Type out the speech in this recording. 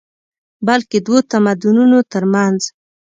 بلکې دوو تمدنونو تر منځ